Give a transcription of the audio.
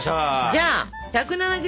じゃあ１７０